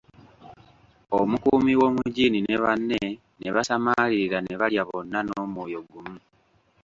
Omukuumi w'omugiini ne banne ne basamaalirira ne balya bonna n'omwoyo gumu.